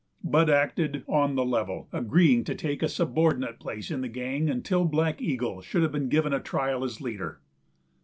Bud acted "on the level," agreeing to take a subordinate place in the gang until Black Eagle should have been given a trial as leader.